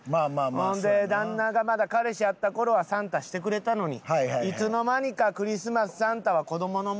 ほんで旦那がまだ彼氏やった頃はサンタしてくれたのにいつの間にかクリスマスサンタは子どものものになって。